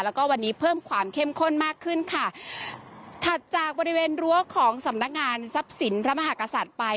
แล้วก็วันนี้เพิ่มความเข้มข้นมากขึ้นค่ะถัดจากบริเวณรั้วของสำนักงานทรัพย์สินพระมหากษัตริย์ไป